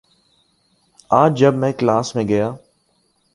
آج جب میں کلاس میں گیا